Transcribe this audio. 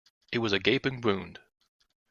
It was a gaping wound.